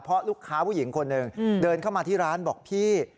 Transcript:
เพราะลูกค้าผู้หญิงคนหนึ่งเดินเข้ามาที่ร้านบอกพี่